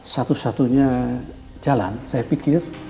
satu satunya jalan saya pikir